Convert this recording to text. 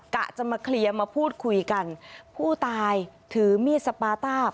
กะจะมาเคลียร์มาพูดคุยกันผู้ตายถือมีดสปาต้า